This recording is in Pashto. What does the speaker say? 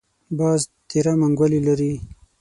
باز تېره منګولې لري